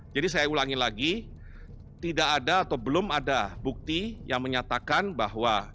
jadi saya ulangi lagi tidak ada atau belum ada bukti yang menyatakan bahwa